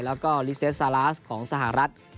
แล้วก็ลิเซสซาลาสของสหรัฐ